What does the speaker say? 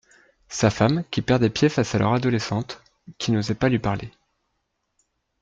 sa femme qui perdait pied face à leur adolescente, qui n’osait pas lui parler